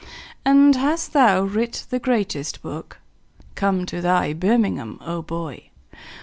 "And hast thou writ the greatest book? Come to thy birmingham, my boy!